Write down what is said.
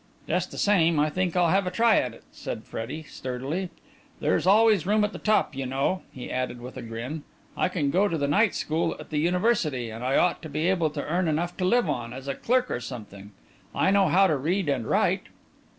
"Just the same, I think I'll have a try at it," said Freddie, sturdily. "There's always room at the top, you know," he added, with a grin. "I can go to the night school at the University, and I ought to be able to earn enough to live on, as a clerk or something. I know how to read and write."